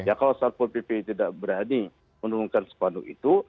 ya kalau satpol pp tidak berani menurunkan sepanduk itu